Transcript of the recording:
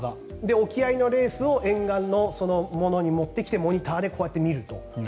沖合のレースを沿岸のものに持ってきてモニターでこうやって見ると。